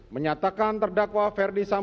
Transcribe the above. menyatakan terdakwa ferdinand